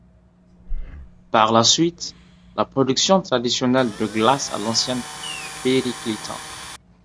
Par la suite, la production traditionnelle de glace à l'ancienne périclita.